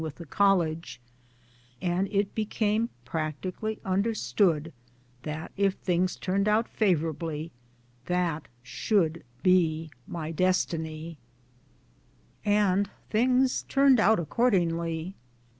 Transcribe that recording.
with' the College ; and it became practically understood that if things turned out favorably that should be my, destiny. 52 MY DAYS AND DREAMS And things turned out accordingly.